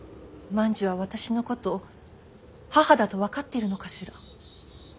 万寿は私のこと母だと分かっているのかしら。